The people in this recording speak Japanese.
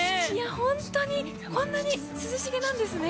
本当にこんなに涼しげなんですね！